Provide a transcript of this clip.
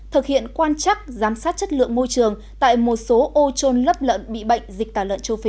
thực hiện quan chắc giám sát chất lượng môi trường tại một số ô trôn lấp lợn bị bệnh dịch tả lợn châu phi